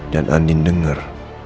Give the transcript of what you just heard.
dan andin denger